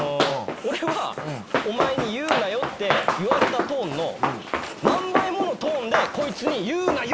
俺はお前に「言うなよ」って言われたトーンの何倍ものトーンでこいつに「言うなよ‼」